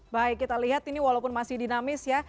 baik kita lihat ini walaupun masih dinamis ya